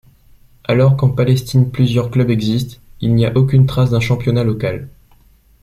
Alors qu'en Palestine plusieurs clubs existent, il n'y a aucune trace d'un championnat local.